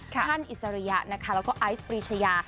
ท่านอิสริยะนะคะแล้วก็ไอซ์ปรีชายา